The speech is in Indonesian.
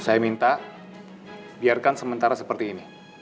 saya minta biarkan sementara seperti ini